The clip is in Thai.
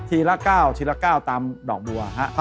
ทีละเก้าทีละเก้าตามดอกบัวนะครับ